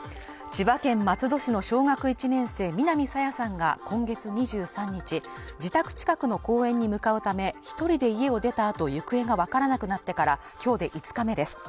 千葉県松戸市の小学１年生南朝芽さんが今月２３日自宅近くの公園に向かうため一人で家を出たあと行方が分からなくなってから今日で５日目です